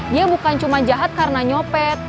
dia bukan cuma jahat karena nyopet